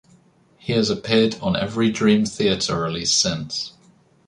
He has appeared on every Dream Theater release since.